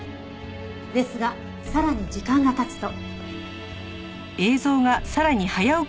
ですがさらに時間が経つと。